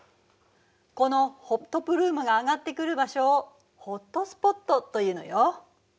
このホットプルームが上がってくる場所をホットスポットというのよ。